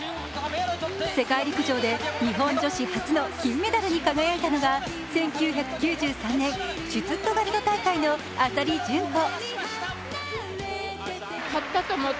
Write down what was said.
世界陸上で日本女子初の金メダルに輝いたのが１９９３年、シュツットガルト大会の浅利純子。